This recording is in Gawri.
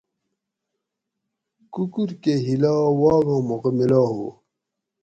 کُکور کہ ہیلا واگاں موقع میلا ہُو